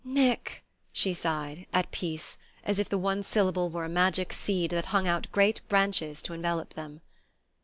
"Nick!" she sighed, at peace, as if the one syllable were a magic seed that hung out great branches to envelop them.